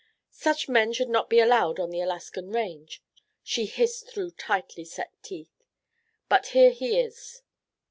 "Such men should not be allowed upon the Alaskan range," she hissed through tightly set teeth. "But here he is.